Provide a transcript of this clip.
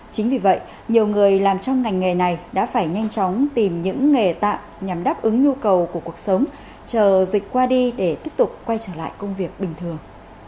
chính vì vậy nhiều người làm trong ngành nghề này đã phải nhanh chóng tìm những nghề tạm nhằm đáp ứng nhu cầu của cuộc sống chờ dịch qua đi để tiếp tục quay trở lại công việc bình thường